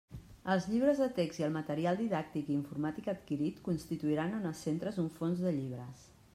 Els llibres de text i el material didàctic i informàtic adquirit constituiran en els centres un fons de llibres.